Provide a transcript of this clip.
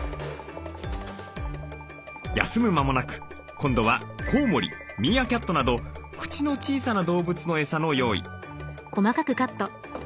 休む間もなく今度はコウモリミーアキャットなど口の小さな動物のエサの用意。